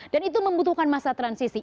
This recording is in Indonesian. dan itu membutuhkan masa transisi